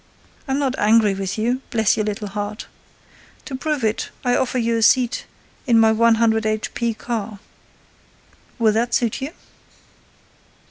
—I'm not angry with you, bless your little heart! To prove it, I offer you a seat in my 100 h.p. car. Will that suit you?"